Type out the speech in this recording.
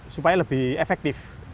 supaya lebih efektif